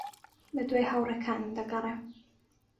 بەدوای ھاوڕێکانم دەگەڕێم.